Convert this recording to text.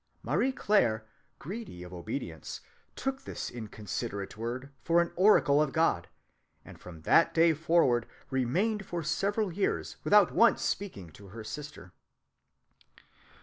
Marie Claire, greedy of obedience, took this inconsiderate word for an oracle of God, and from that day forward remained for several years without once speaking to her sister."